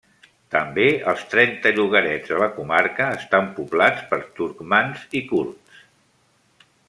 També els trenta llogarets de la comarca estan poblats per turcmans i kurds.